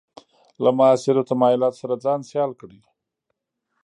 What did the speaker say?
له معاصرو تمایلاتو سره ځان سیال کړي.